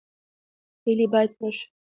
هیلې باید پوره شي